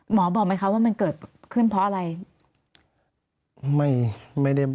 บอกไหมคะว่ามันเกิดขึ้นเพราะอะไร